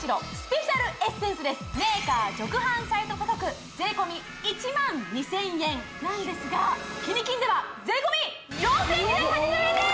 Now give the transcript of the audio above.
美容液メーカー直販サイト価格税込１２０００円なんですが「キニ金」では税込４９８０円です！